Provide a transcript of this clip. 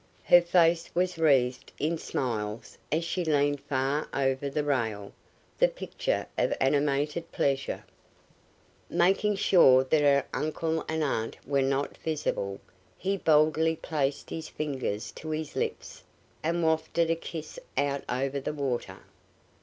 Her face was wreathed in smiles as she leaned far over the rail, the picture of animated pleasure. Making sure that her uncle and aunt were not visible, he boldly placed his fingers to his lips and wafted a kiss out over the water!